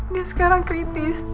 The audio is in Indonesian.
dia sekarang kritis